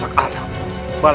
aku akan menang